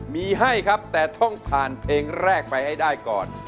มีให้ครับแต่ต้องผ่านเพลงแรกไปให้ได้ก่อน